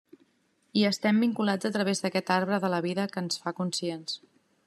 I estem vinculats a través d'aquest arbre de la vida que ens fa conscients.